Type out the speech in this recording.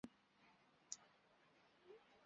赖氏龙的冠饰外形随者年龄而有所不同。